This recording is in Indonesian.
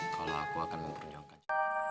kalau aku akan memperjogak